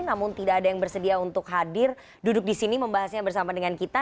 namun tidak ada yang bersedia untuk hadir duduk di sini membahasnya bersama dengan kita